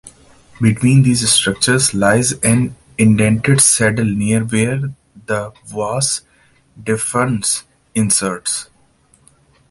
Between these structures lies an indented saddle near where the vas deferens inserts.